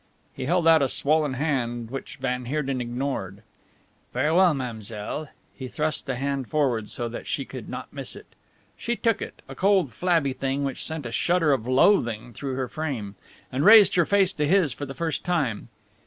He held out a swollen hand which van Heerden ignored. "Farewell, mademoiselle." He thrust the hand forward, so that she could not miss it. She took it, a cold flabby thing which sent a shudder of loathing through her frame, and raised her face to his for the first time.